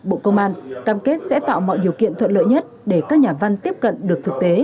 bộ công an cam kết sẽ tạo mọi điều kiện thuận lợi nhất để các nhà văn tiếp cận được thực tế